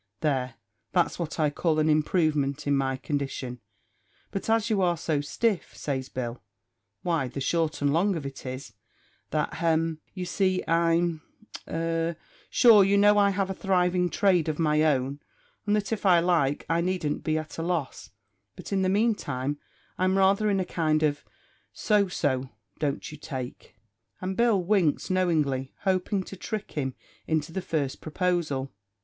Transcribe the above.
There, that's what I call an improvement in my condition. But as you are so stiff," says Bill, "why, the short and long of it is that hem you see I'm tut sure you know I have a thriving trade of my own, and that if I like I needn't be at a loss; but in the meantime I'm rather in a kind of a so so don't you take?" And Bill winked knowingly, hoping to trick him into the first proposal.